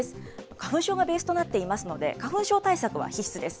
花粉症がベースとなっていますので、花粉症対策は必須です。